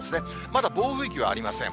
まだ暴風域はありません。